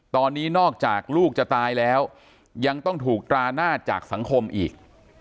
ตอนนี้นอกจากลูกจะตายแล้วยังต้องถูกตราหน้าจากสังคมอีก